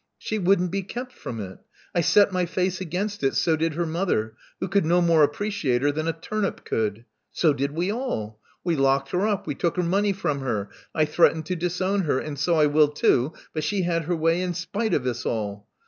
She wouldn't be kept from it. I set my face against it. So did her mother — who could no more appreciate her than a turnip could. So did we all. We locked her up; we took her money from her; I threatened to disown her — and so I will too ; but she had her way in spite of us all.